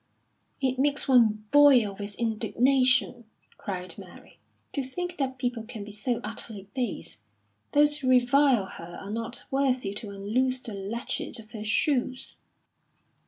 "It makes one boil with indignation," cried Mary, "to think that people can be so utterly base. Those who revile her are not worthy to unloose the latchet of her shoes."